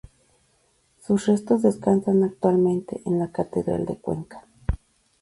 Sus restos descansan actualmente en la catedral de Cuenca.